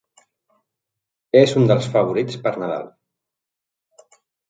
És un dels favorits per Nadal.